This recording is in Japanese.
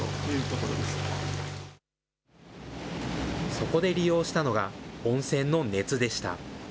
そこで利用したのが温泉の熱でした。